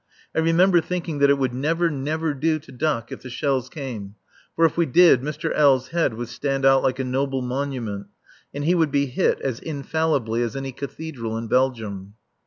I remember thinking that it would never, never do to duck if the shells came, for if we did Mr. L.'s head would stand out like a noble monument and he would be hit as infallibly as any cathedral in Belgium.